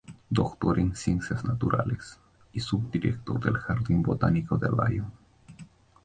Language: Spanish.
Doctor en Ciencias Naturales, y subdirector del Jardín Botánico de Lyon.